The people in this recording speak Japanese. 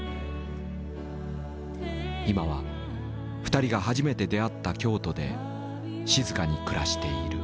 今は２人が初めて出会った京都で静かに暮らしている。